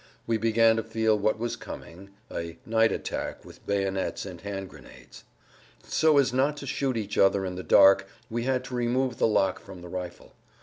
We began to feel what was coming, viz., a night attack with bayonets and hand grenades. So as not to shoot each other in the dark we had to remove the lock from the rifle.